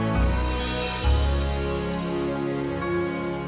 sampai jumpa cowo yang lagi